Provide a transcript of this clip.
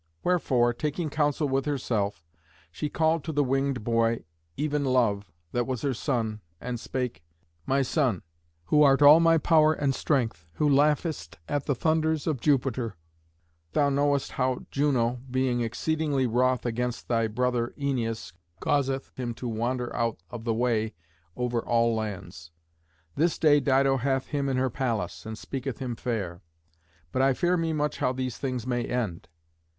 Wherefore, taking counsel with herself, she called to the winged boy, even Love, that was her son, and spake, "My son, who art all my power and strength, who laughest at the thunders of Jupiter, thou knowest how Juno, being exceedingly wroth against thy brother Æneas, causeth him to wander out of the way over all lands. This day Dido hath him in her palace, and speaketh him fair; but I fear me much how these things may end.